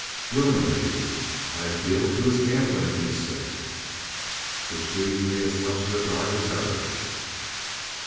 "Willingly. I appealed to his gambling instinct." "Which leaves me as much in the dark as ever."